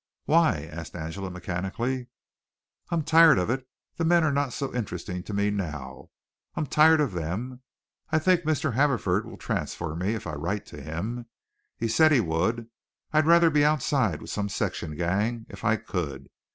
"Why?" asked Angela mechanically. "I'm tired of it. The men are not so interesting to me now. I'm tired of them. I think Mr. Haverford will transfer me if I write to him. He said he would. I'd rather be outside with some section gang if I could.